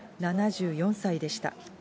７４歳でした。